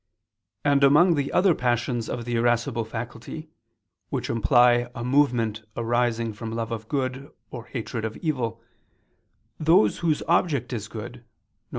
And among the other passions of the irascible faculty, which imply a movement arising from love of good or hatred of evil, those whose object is good, viz.